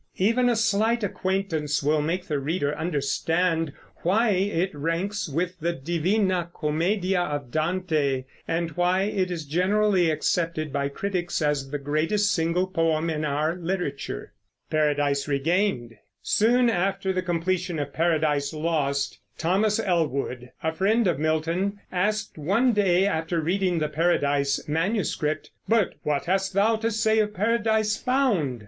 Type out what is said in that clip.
Even a slight acquaintance will make the reader understand why it ranks with the Divina Commedia of Dante, and why it is generally accepted by critics as the greatest single poem in our literature. Soon after the completion of Paradise Lost, Thomas Ellwood, a friend of Milton, asked one day after reading the Paradise manuscript, "But what hast thou to say of Paradise Found?"